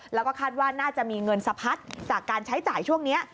แล้วก็คาดว่าน่าจะมีเงินสะพัดจากการใช้จ่ายช่วงนี้